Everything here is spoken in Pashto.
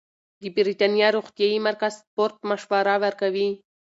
د بریتانیا روغتیايي مرکز سپورت مشوره ورکوي.